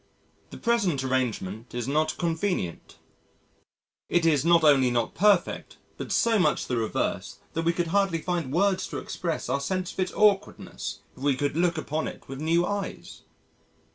The present arrangement is not convenient ... it is not only not perfect but so much the reverse that we could hardly find words to express our sense of its awkwardness if we could look upon it with new eyes...."